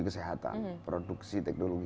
kesehatan produksi teknologi